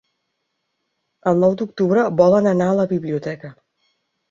El nou d'octubre volen anar a la biblioteca.